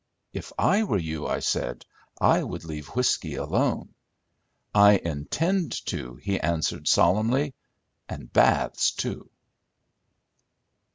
"If I were you," I said, "I would leave whiskey alone." "I intend to," he answered solemnly, "and baths too."